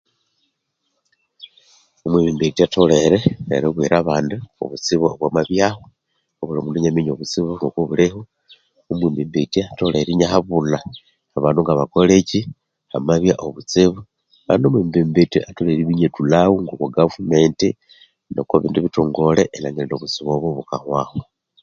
Omwembembethya atholere eribwira abandi obutsibu kubwamabyahu obuli mundu iniaminya obutsibu ngokubuliho omwembembethya atholere iniahabulha abandu ngabakolethi hamabya obutsibu kandi omwembembethya atholere iniathulhagho ngoko gavumenti noko bindi bithongole erilhangira obutsibu obo bukahwahu.